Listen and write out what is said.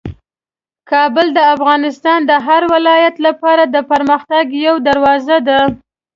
کابل د افغانستان د هر ولایت لپاره د پرمختګ یوه دروازه ده.